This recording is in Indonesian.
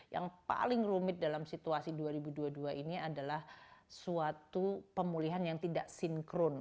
yang paling rumit dalam situasi dua ribu dua puluh dua ini adalah suatu pemulihan yang tidak sinkron